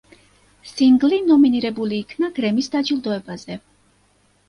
სინგლი ნომინირებული იქნა გრემის დაჯილდოებაზე.